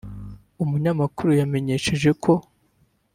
umunyamakuru yamenyesheje ko